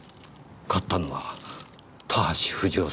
買ったのは田橋不二夫さんです。